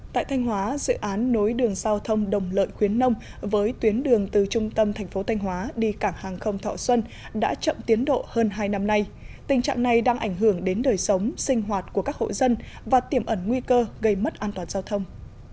tại thanh hóa dự án nối đường giao thông đồng lợi khuyến nông với tuyến đường từ trung tâm thành phố thanh hóa đi cảng hàng không thọ xuân đã chậm tiến độ hơn hai năm nay tình trạng này đang ảnh hưởng đến đời sống sinh hoạt của các hộ dân và tiềm ẩn nguy cơ gây mất an toàn giao thông